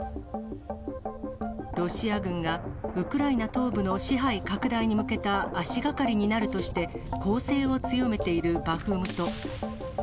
ロシア軍がウクライナ東部の支配拡大に向けた足がかりになるとして、攻勢を強めているバフムト。